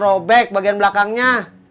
robek bagian belakangnya